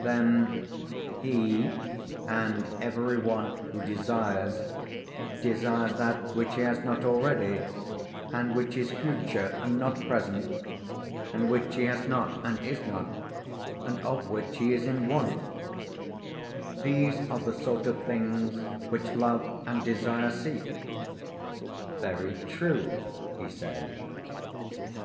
Then he and every one who desires, desires that which he has not already, and which is future and not present, and which he has not, and is not, and of which he is in want; these are the sort of things which love and desire seek? Very true, he said.